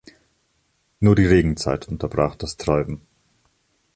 Nur die Regenzeit unterbrach das Treiben.